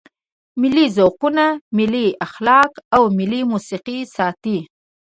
ملي ذوقونه، ملي اخلاق او ملي موسیقي ساتي.